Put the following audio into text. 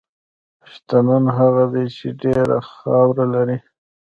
شتمن هغه دی چې ډېره خاوره لري.